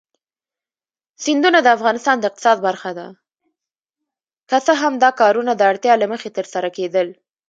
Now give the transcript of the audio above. که څه هم دا کارونه د اړتیا له مخې ترسره کیدل.